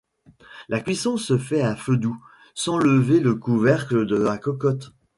La cuisson se fait à feu doux, sans lever le couvercle de la cocotte.